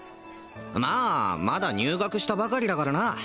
まあまだ入学したばかりだからな